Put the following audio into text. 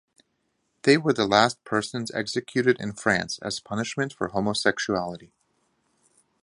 They were the last persons executed in France as punishment for homosexuality.